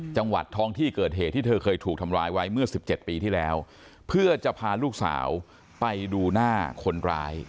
จังหวัดท้องที่เกิดเหตุที่เธอเคยถูกทำร้ายไว้เมื่อ๑๗ปีที่แล้วเพื่อจะพาลูกสาวไปดูหน้าคนร้าย